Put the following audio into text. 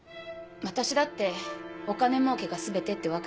私だってお金もうけが全てってわけじゃない。